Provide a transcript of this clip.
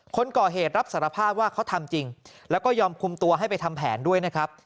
คนก่อเหตุรับสารภาพว่าเขาทำจริงแล้วก็ยอมคุมตัวให้ไปทำแผนด้วยนะครับ